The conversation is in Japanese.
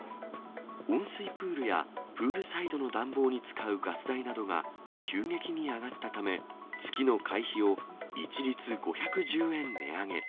温水プールや、プールサイドの暖房に使うガス代などが急激に上がったため、月の会費を一律５１０円値上げ。